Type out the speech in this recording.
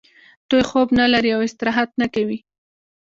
دوی خوب نلري او استراحت نه کوي